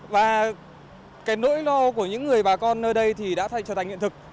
và cái nỗi lo của những người bà con nơi đây thì đã trở thành hiện thực